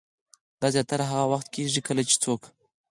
دا زياتره هاغه وخت کيږي کله چې څوک